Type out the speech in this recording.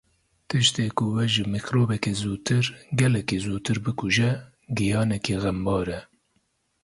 Tiştê ku we ji mîkrobekê zûtir, gelekî zûtir bikuje, giyanekî xembar e.